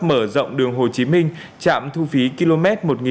mở rộng đường hồ chí minh chạm thu phí km